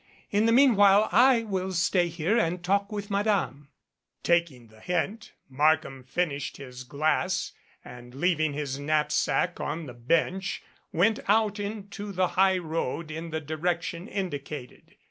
In the meanwhile I will stay here and talk with Madame." Taking the hint Markham finished his glass and leav ing his knapsack on the bench went out into the high road in the direction indicated.